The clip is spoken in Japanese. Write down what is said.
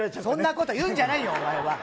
そんなこと言うんじゃないよ。